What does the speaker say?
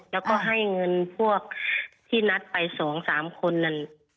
แล้วก็ให้เงินพวกที่นัดไป๒๓คนนั้น